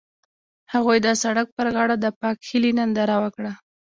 هغوی د سړک پر غاړه د پاک هیلې ننداره وکړه.